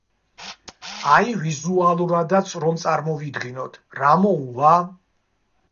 აი ვიზუალურადაც რომ წარმოვიდგინოთ, რა მოუვა?